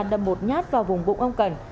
đâm một nhát vào vùng bụng ông cần